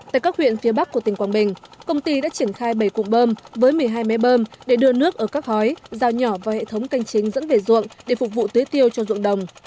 tại các huyện phía bắc của tỉnh quảng bình công ty đã triển khai bảy cục bơm với một mươi hai mé bơm để đưa nước ở các hói giao nhỏ vào hệ thống canh chính dẫn về ruộng để phục vụ tế tiêu cho ruộng đồng